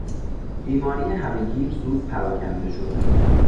بیماری همه گیر زود پراکنده شد.